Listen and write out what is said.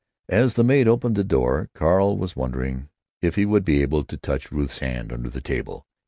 As the maid opened the door Carl was wondering if he would be able to touch Ruth's hand under the table.